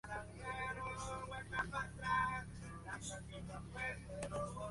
Protagonizada por James Coburn, Telly Savalas y Bud Spencer en los papeles principales.